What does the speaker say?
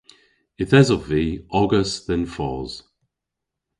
Yth esov vy ogas dhe'n fos.